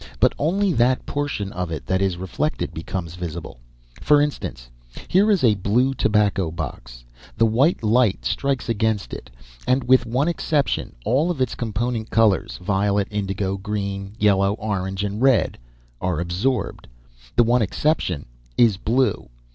But only that portion of it that is reflected becomes visible. For instance, here is a blue tobacco box. The white light strikes against it, and, with one exception, all its component colors—violet, indigo, green, yellow, orange, and red—are absorbed. The one exception is BLUE.